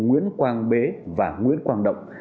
nguyễn quang bế và nguyễn quang động